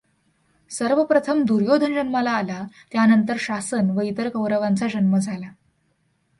सर्वप्रथम दुर्योधन जन्माला आला त्यानंतर शासन व इतर कौरवांचा जन्म झाला.